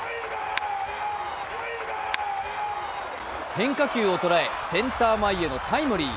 変化球を捉え、センター前へのタイムリー。